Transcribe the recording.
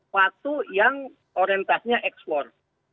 waktu yang orientasinya ekspor